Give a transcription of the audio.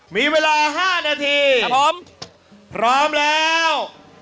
มีเวลา๕นาทีผมพร้อมแล้ว